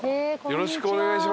よろしくお願いします。